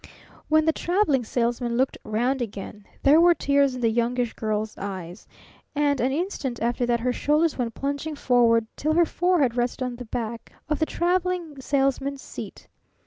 When the Traveling Salesman looked round again, there were tears in the Youngish Girl's eyes, and an instant after that her shoulders went plunging forward till her forehead rested on the back of the Traveling Salesman's seat.